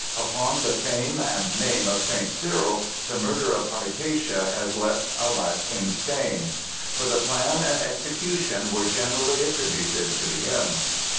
Upon the fame and name of St. Cyril the murder of Hypatia has left a lasting stain; for the plan and execution were generally attributed to him.